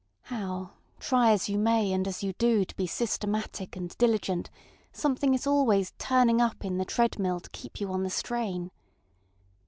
How, try as you may and as you do to be systematic and diligent, something is always ŌĆ£turning upŌĆØ in the treadmill to keep you on the strain.